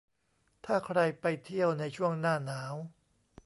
ถ้าใครไปเที่ยวในช่วงหน้าหนาว